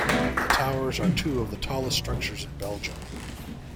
The towers are two of the tallest structures in Belgium.